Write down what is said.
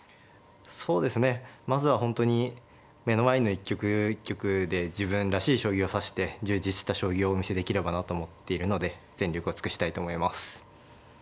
そうですねまずは本当に目の前の一局一局で自分らしい将棋を指して充実した将棋をお見せできればなと思っているので全力を尽くしたいと思います。